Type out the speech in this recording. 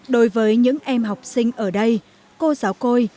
đối với những em học sinh ở đây cô giáo côi